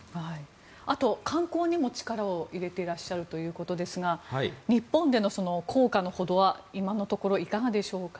あと、観光にも力を入れてらっしゃるということですが日本での効果のほどは今のところいかがでしょうか。